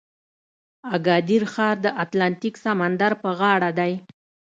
اګادیر ښار د اتلانتیک سمندر په غاړه دی.